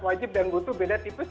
wajib dan butuh beda tipis